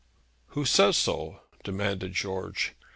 'Who says so?' demanded George.